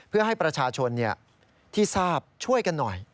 เพื่อให้ประชาชนที่ทราบช่วยกันหน่อย